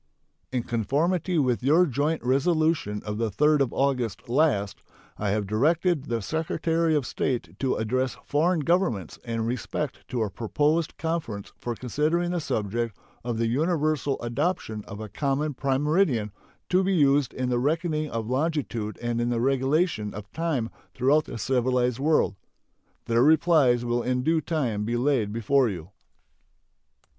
In conformity with your joint resolution of the 3d of August last, I have directed the Secretary of State to address foreign governments in respect to a proposed conference for considering the subject of the universal adoption of a common prime meridian to be used in the reckoning of longitude and in the regulation of time throughout the civilized world. Their replies will in due time be laid before you.